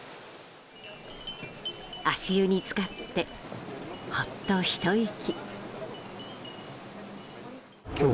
足湯に浸かってほっとひと息。